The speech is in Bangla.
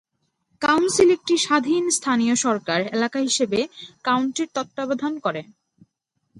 কাউন্সিল একটি স্বাধীন স্থানীয় সরকার এলাকা হিসেবে কাউন্টির তত্ত্বাবধান করে।